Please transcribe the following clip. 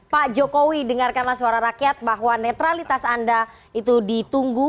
pak jokowi dengarkanlah suara rakyat bahwa netralitas anda itu ditunggu